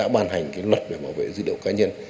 ban hành cái luật về bảo vệ dữ liệu cá nhân